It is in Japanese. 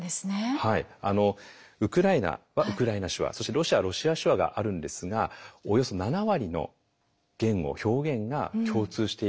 ウクライナはウクライナ手話そしてロシアはロシア手話があるんですがおよそ７割の言語表現が共通しているそうなんです。